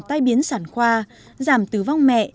tài biến sản khoa giảm tử vong mẹ